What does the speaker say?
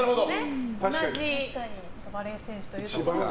同じバレー選手ということで。